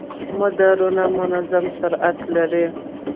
مدارونه منظم سرعت لري.